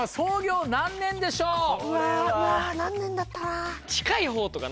うわ何年だったかな。